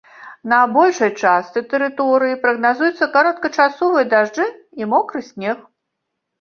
На большай частцы тэрыторыі прагназуюцца кароткачасовыя дажджы і мокры снег.